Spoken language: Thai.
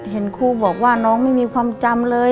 เห็นครูบอกว่าน้องไม่มีความจำเลย